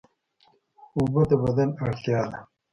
اوبه د بدن اړتیا ده